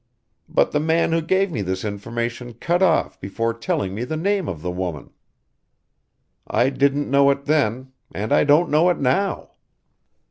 But the man who gave me this information cut off before telling me the name of the woman. I didn't know it then and I don't know it now.